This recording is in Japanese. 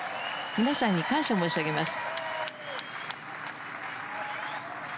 皆さんに感謝申し上げます。